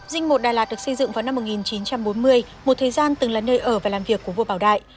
dinh một đà lạt được xây dựng vào năm một nghìn chín trăm bốn mươi một thời gian từng là nơi ở và làm việc của vua bảo đại